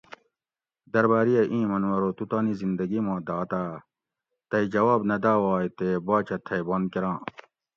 درباریہ اِیں منو ارو تو تانی زندگی ما دات آ؟ تئی جواب نہ داواگ تے باچہ تھئی بند کۤراں